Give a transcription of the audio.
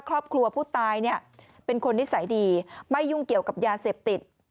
ครอบครัวผู้ตายเนี่ยเป็นคนนิสัยดีไม่ยุ่งเกี่ยวกับยาเสพติด